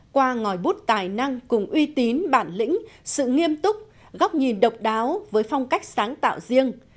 qua ngòi bút tài năng cùng uy tín bản lĩnh sự nghiêm túc góc nhìn độc đáo với phong cách sáng tạo riêng